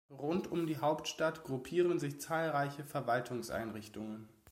Rund um die Hauptstadt gruppieren sich zahlreiche Verwaltungseinrichtungen.